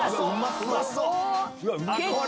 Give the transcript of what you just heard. うまそう！